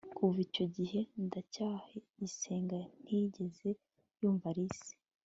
kuva icyo gihe ndacyayisenga ntiyigeze yumva alice